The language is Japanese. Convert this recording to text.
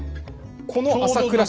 この朝倉氏。